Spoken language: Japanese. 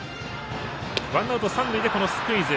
ワンアウト、三塁でこのスクイズ。